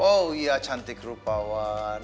oh iya cantik rupawan